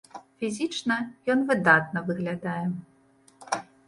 Фізічна ён выдатна выглядае.